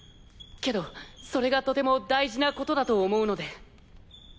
けどそれがとても大事なことだと思うので。